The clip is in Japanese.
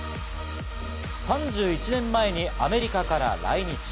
３１年前にアメリカから来日。